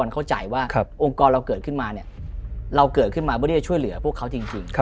เข้าใจว่าองค์กรเราเกิดขึ้นมาเนี่ยเราเกิดขึ้นมาเพื่อที่จะช่วยเหลือพวกเขาจริง